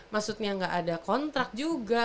maksudnya nggak ada kontrak juga